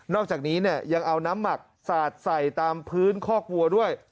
อกจากนี้เนี่ยยังเอาน้ำหมักสาดใส่ตามพื้นคอกวัวด้วย